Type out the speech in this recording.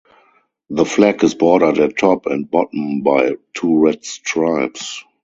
The flag is bordered at top and bottom by two red stripes.